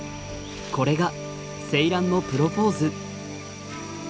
これがセイランのプロポーズ。